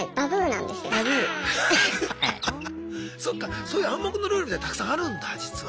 そっかそういう暗黙のルールみたいなのたくさんあるんだ実は。